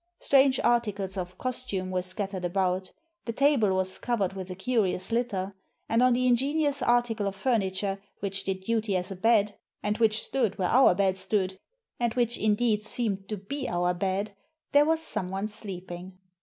Strange articles of costume were scattered about ; the table was covered with a curious litter ; and on the ingenious article of furni ture which did duty as a bed, and which stood where our bed stood, and which, indeed, seemed to be our bed, there was someone sleeping.